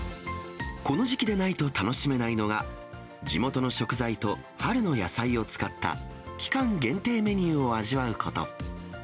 この時期でないと楽しめないのが、地元の食材と春の野菜を使った期間限定メニューを味わうこと。